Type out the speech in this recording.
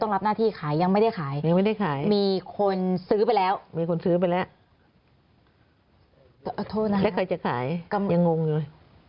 โทษนะครับแล้วใครจะขายยังงงอยู่